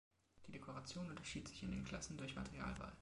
Die Dekoration unterschied sich in den Klassen durch Materialwahl.